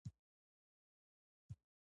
ډیزاین د وسیلې او ساختمان په اړه فکر کول دي.